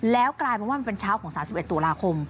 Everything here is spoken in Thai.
แล้วกลายเป็นว่ามันเป็นเช้าของ๓๑ตุลาคม